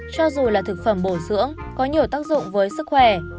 cho dù là thực phẩm bổ dưỡng có nhiều tác dụng với sức khỏe